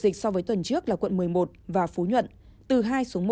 tại tp hcm so với tuần trước là quận một mươi một và phú nhuận từ hai xuống một